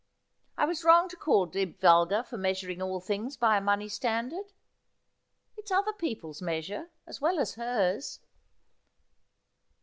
I was wrong to call Dibb vulgar for measuring all things by a money standard. It is other people's measure, as well as hers.'